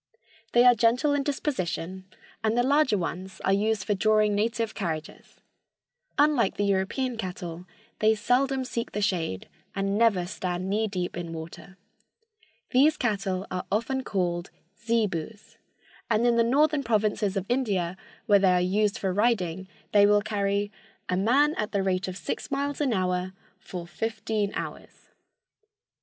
They are gentle in disposition and the larger ones are used for drawing native carriages. Unlike the European cattle, they seldom seek the shade, and never stand knee deep in water. These cattle are often called zebus, and in the northern provinces of India, where they are used for riding, they will carry "a man at the rate of six miles an hour for fifteen hours."